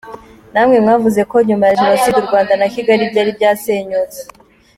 Namwe mwavuze ko nyuma ya Jenoside, u Rwanda na Kigali byari byasenyutse.